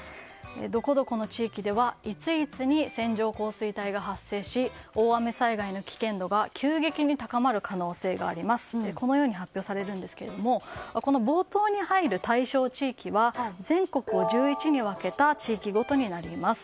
どこどこの地域ではいついつに線状降水帯が発生し大雨災害の危険度が急激に高まる可能性がありますとこのように発表されるんですがこの冒頭に入る対象地域は全国１１に分けた地域ごとになります。